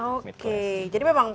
oke jadi memang